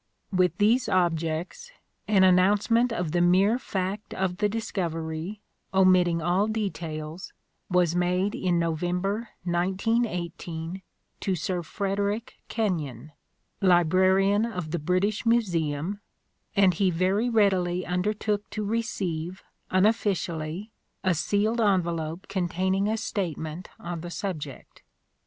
With these objects, an announcement of the mere fact of the discovery, omitting all details, was made in November 1918 to Sir Frederick Kenyon, Librarian of the British Museum, and he very readily undertook to receive, unofficially, a sealed envelope containing a statement on the subject.